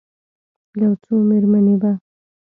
یو څو میرمنې به،